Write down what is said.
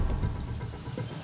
ada apa kakak menarikku seperti ini